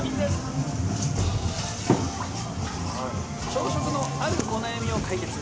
朝食のあるお悩みを解決。